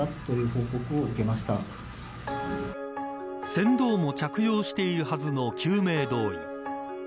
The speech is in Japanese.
船頭も着用しているはずの救命胴衣。